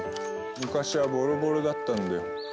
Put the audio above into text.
昔はボロボロだったんだよ。